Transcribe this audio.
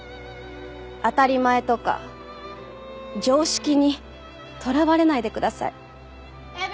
当たり前とか常識にとらわれないでください。